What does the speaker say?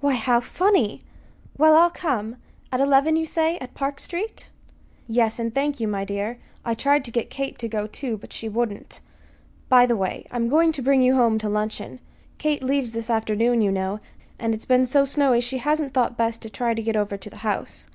"Why, how funny! Well, I'll come. At eleven, you say, at Park Street?" "Yes; and thank you, my dear. I tried to get Kate to go, too; but she wouldn't. By the way, I'm going to bring you home to luncheon. Kate leaves this afternoon, you know, and it's been so snowy she hasn't thought best to try to get over to the house.